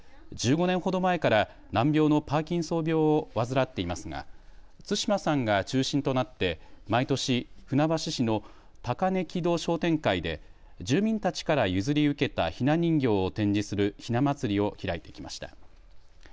１５年ほど前から難病のパーキンソン病を患っていますが對馬さんが中心となって毎年船橋市の高根木戸商店会で住民たちから譲り受けたひな人形を展示するひな祭りを開いてきました。